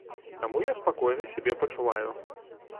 Таму я спакойна сябе пачуваю.